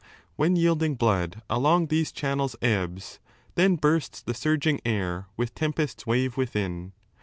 When yielding blood along these channels ebbs, Then bursts the surging air with tempest's wave Within.